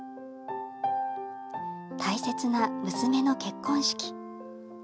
大切な娘の結婚式。